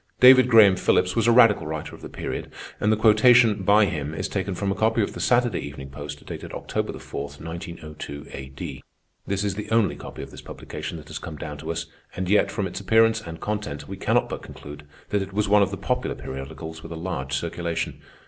David Graham Phillips was a radical writer of the period, and the quotation, by him, is taken from a copy of the Saturday Evening Post, dated October 4, 1902 A.D. This is the only copy of this publication that has come down to us, and yet, from its appearance and content, we cannot but conclude that it was one of the popular periodicals with a large circulation.